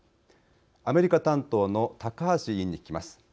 アメリカ担当の高橋委員に聞きます。